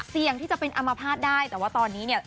เสี่ยงที่จะเป็นอัมพาตได้แต่ว่าตอนนี้เนี่ย